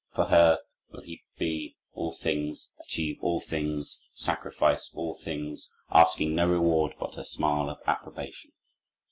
For her will he be all things, achieve all things, sacrifice all things, asking no reward but her smile of approbation.